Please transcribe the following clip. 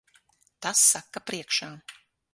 Tas saka priekšā.